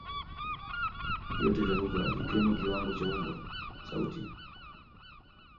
vyote vya lugha vikiwemo kiwango cha umbo – sauti